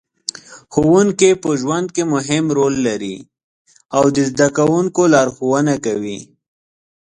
ښوونکې په ژوند کې مهم رول لري او د زده کوونکو لارښوونه کوي.